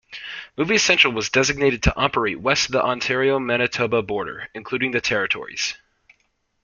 Movie Central was designated to operate west of the Ontario-Manitoba border, including the territories.